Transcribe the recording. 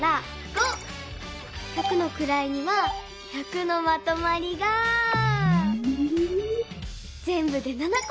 百のくらいには１００のまとまりがぜんぶで７こ。